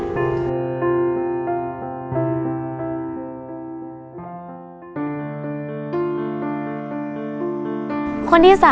จงรู้สึกว่ามีสุข